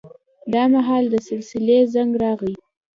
دا مهال د سلسلې زنګ راغی.